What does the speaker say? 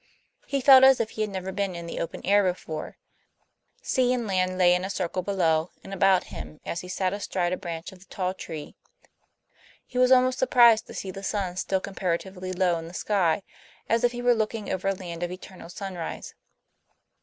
He felt as if he had never been in the open air before. Sea and land lay in a circle below and about him, as he sat astride a branch of the tall tree; he was almost surprised to see the sun still comparatively low in the sky; as if he were looking over a land of eternal sunrise.